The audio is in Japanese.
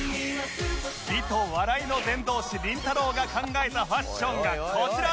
美と笑いの伝道師りんたろー。が考えたファッションがこちら